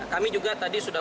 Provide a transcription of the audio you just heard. kami juga tadi sudah